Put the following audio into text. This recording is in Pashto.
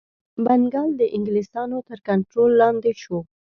بنګال د انګلیسیانو تر کنټرول لاندي شو.